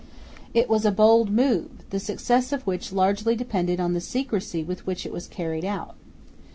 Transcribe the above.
It was a bold move, the success of which largely depended on the secrecy with which it was carried out.